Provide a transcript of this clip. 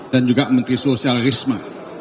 dan juga menteri sosial risma